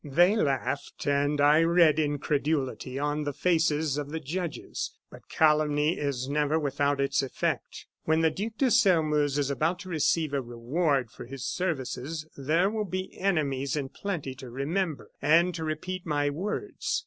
They laughed; and I read incredulity on the faces of the judges. But calumny is never without its effect. When the Duc de Sairmeuse is about to receive a reward for his services, there will be enemies in plenty to remember and to repeat my words.